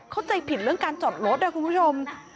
เข้าใจผิดเรื่องการจอดรถนะคุณผู้ชม